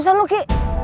seriusan lo ki